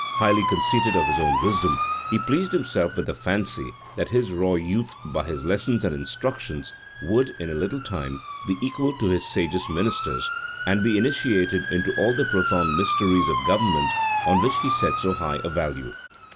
Highly conceited of his own wisdom, he pleased himself with the fancy, that this raw youth, by his lessons and instructions, would, in a little time, be equal to his sagest ministers, and be initiated into all the profound mysteries of government, on which he set so high a value.